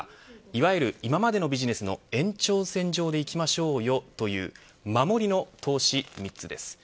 いわゆる、今までのビジネスの延長線上でいきましょうよという守りの投資３つです。